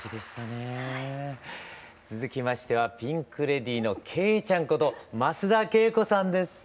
続きましてはピンク・レディーのケイちゃんこと増田惠子さんです。